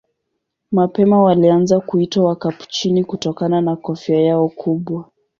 Mapema walianza kuitwa Wakapuchini kutokana na kofia yao kubwa.